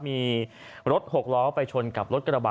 มีรถหกล้อไปชนกับรถกระบะ